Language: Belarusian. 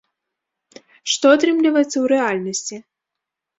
Што атрымліваецца ў рэальнасці?